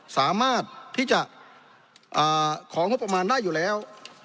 สามารถที่จะของงบประมาณได้อยู่แล้ว